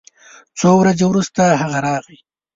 څو ورځې وروسته هغه راغی